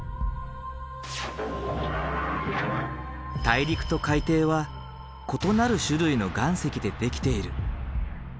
大陸と海底は異なる種類の岩石でできている。